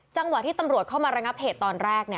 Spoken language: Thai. จังหวะที่ตำรวจเข้ามาระงับเหตุตอนแรก